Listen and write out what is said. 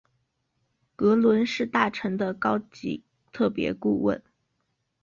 格伦是大臣的高级特别顾问。